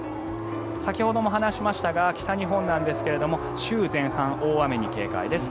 先ほども話しましたが北日本なんですが週前半、大雨に警戒です。